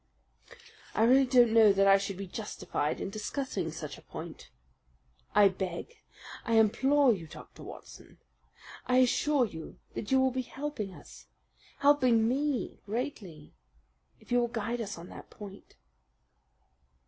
"I really don't know that I should be justified in discussing such a point." "I beg I implore that you will, Dr. Watson! I assure you that you will be helping us helping me greatly if you will guide us on that point."